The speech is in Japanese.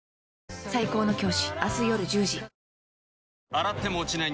洗っても落ちない